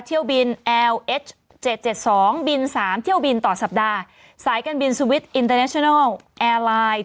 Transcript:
เที่ยวบินแอลเอชเจ็ดเจ็ดสองบินสามเที่ยวบินต่อสัปดาห์สายการบินสวิตช์อินเตอร์เนชนัลแอร์ไลน์